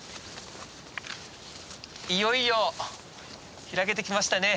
いよいよ開けてきましたね。